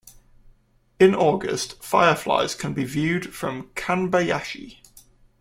In August fireflies can be viewed from Kanbayashi.